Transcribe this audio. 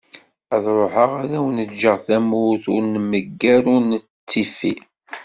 Ad ruḥeγ ad awen-ğğeγ tamurt ur nmegger ur nettifi.